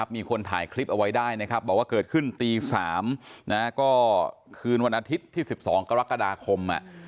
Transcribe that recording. มีคนถ่ายคลิปเอาไว้ได้นะครับบอกว่าเกิดขึ้นตี๓ก็คืนวันอาทิตย์ที่๑๒กรกฎาคม